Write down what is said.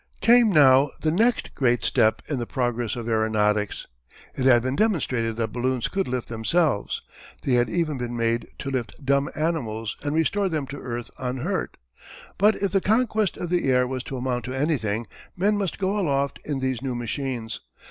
Came now the next great step in the progress of aeronautics. It had been demonstrated that balloons could lift themselves. They had even been made to lift dumb animals and restore them to earth unhurt. But if the conquest of the air was to amount to anything, men must go aloft in these new machines.